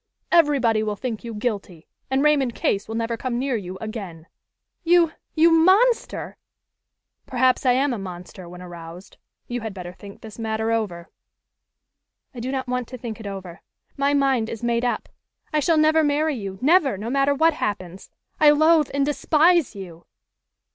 Everybody will think you guilty, and Raymond Case will never come near you again." "You you monster!" "Perhaps I am a monster when aroused. You had better think this matter over." "I do not want to think it over. My mind is made up. I shall never marry you, never, no matter what happens. I loathe and despise you!"